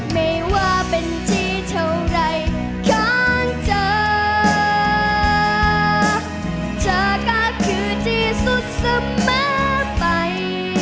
ไม่ว่าเป็นที่เท่าไรของเธอเธอก็คือที่สุดเสมอไป